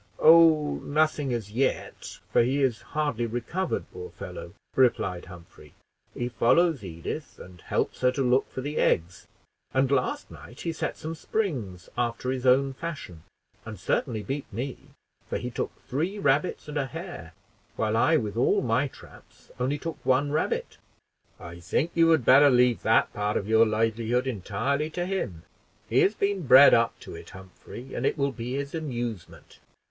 "Oh, nothing as yet, for he is hardly recovered, poor fellow," replied Humphrey. "He follows Edith, and helps her to look for the eggs; and last night he set some springes after his own fashion, and certainly beat me, for he took three rabbits and a hare, while I, with all my traps, only took one rabbit." "I think you had better leave that part of your livelihood entirely to him; he has been bred up to it, Humphrey, and it will be his amusement.